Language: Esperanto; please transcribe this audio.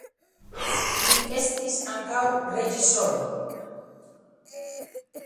Li estis ankaŭ reĝisoro.